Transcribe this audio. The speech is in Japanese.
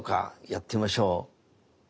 やってみましょう。